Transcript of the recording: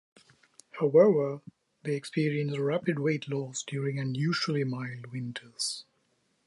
However, they experience rapid weight loss during unusually mild winters.